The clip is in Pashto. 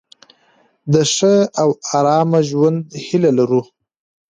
د ښه او آرامه ژوند هیله لرو.